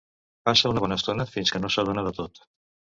Passa una bona estona fins que no s'adona de tot.